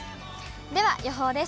では予報です。